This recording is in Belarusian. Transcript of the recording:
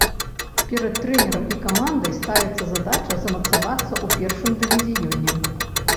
Перад трэнерам і камандай ставіцца задача замацавацца ў першым дывізіёне.